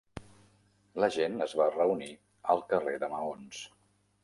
La gent es va reunir al carrer de maons.